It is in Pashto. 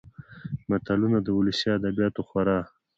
متلونه د ولسي ادبياتو خورا .